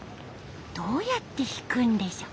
どうやって弾くんでしょ？